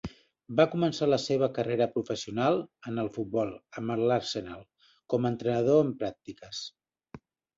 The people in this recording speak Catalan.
Va començar la seva carrera professional en el futbol amb l'Arsenal com a entrenador en pràctiques.